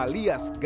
mulai dari pemetik